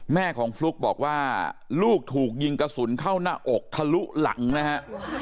แม่ของฟลุ๊กบอกว่าลูกถูกยิงกระสุนเข้าหน้าอกทะลุหลังนะฮะ